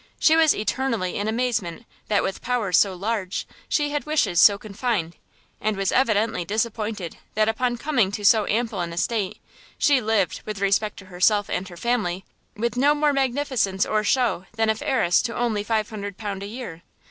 She was eternally in amazement that with powers so large, she had wishes so confined, and was evidently disappointed that upon coming to so ample an estate, she lived, with respect to herself and her family, with no more magnificence or shew than if Heiress to only ú500 a year.